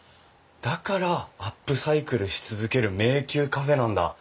だから「アップサイクルし続ける迷宮カフェ」なんだ。